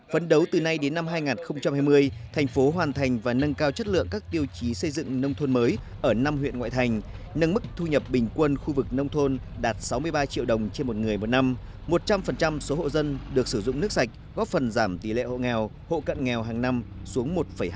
phấn đấu từ nay đến năm hai nghìn hai mươi thành phố hoàn thành và nâng cao chất lượng các tiêu chí xây dựng nông thôn mới ở năm huyện ngoại thành nâng mức thu nhập bình quân khu vực nông thôn đạt sáu mươi ba triệu đồng trên một người một năm một trăm linh số hộ dân được sử dụng nước sạch góp phần giảm tỷ lệ hộ nghèo hộ cận nghèo hàng năm xuống một hai